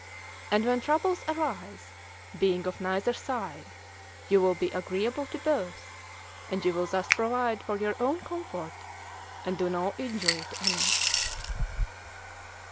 And when troubles arise, being of neither side, you will be agreeable to both, and you will thus provide for your own comfort and do no injury to any."